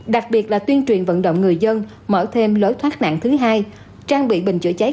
đặc biệt là tuyên truyền vận động người dân mở thêm lối thoát nạn thứ hai trang bị bình chữa cháy